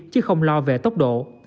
chứ không lo về tốc độ